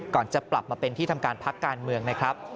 จะกลับมาเป็นที่ทำการพักการเมืองนะครับ